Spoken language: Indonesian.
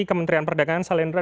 kementerian perdagangan salendra